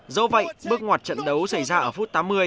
do vậy bước ngoặt trận đấu xảy ra ở phút tám mươi